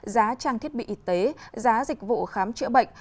giá trang thiết bị y tế giá dịch vụ khám chữa bệnh